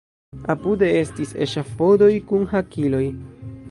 Apude estis eŝafodoj kun hakiloj.